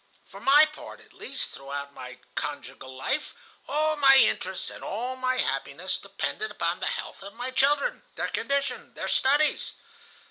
For my part, at least, throughout my conjugal life, all my interests and all my happiness depended upon the health of my children, their condition, their studies.